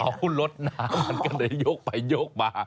เอ้ารถหนามันก็เลยยกไปยกมา